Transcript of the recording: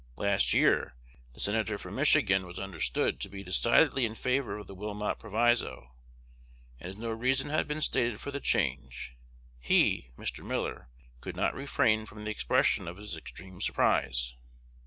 Last year the Senator from Michigan was understood to be decidedly in favor of the Wilmot Proviso; and, as no reason had been stated for the change, he (Mr. Miller) could not refrain from the expression of his extreme surprise."